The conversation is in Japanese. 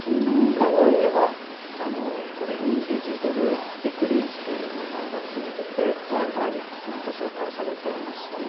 海外ではこれ「インビジブル・ディクリース」という名前が付いててちゃんと紹介されていました。